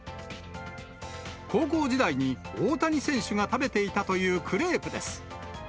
高校時代に大谷選手が食べていたというクレープです。